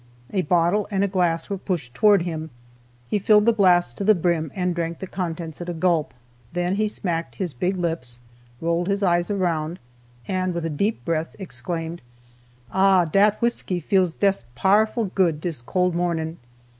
A bottle and a glass were pushed towards him, he filled the glass to the brim, and drank the contents at a gulp. Then he smacked his big lips, rolled his eyes around, and with a deep breath exclaimed, "A h h! Dat whisky feels des pow'ful good dis cole mawnin'!"